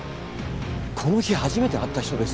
この日初めて会った人です。